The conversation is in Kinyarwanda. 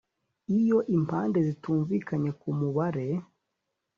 Iyo Impande Zitumvikanye Ku Mubare